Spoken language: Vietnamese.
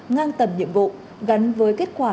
ngang tầm nhiệm vụ gắn với kết quả